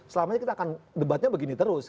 selama ini kita akan debatnya begini terus